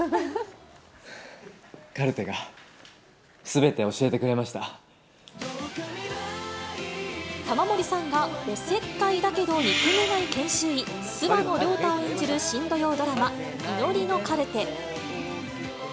カルテがすべて教えてくれま玉森さんが、おせっかいだけど憎めない研修医、諏訪野良太を演じる新土曜ドラマ、祈りのカルテ。